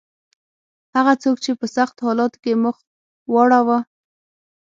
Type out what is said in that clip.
هغه څوک چې په سختو حالاتو کې مخ واړاوه.